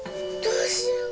どうしよう。